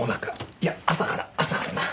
いや朝から朝から。